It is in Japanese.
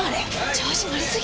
調子乗りすぎ！